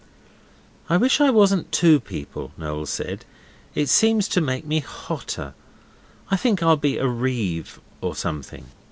'I wish I wasn't two people,' Noel said, 'it seems to make me hotter. I think I'll be a Reeve or something.